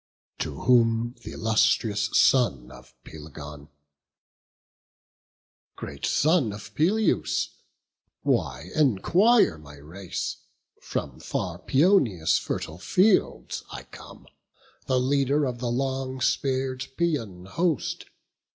To whom th' illustrious son of Pelegon: "Great son of Peleus, why enquire my race? From far Paeonia's fertile fields I come, The leader of the long spear'd Paeon host.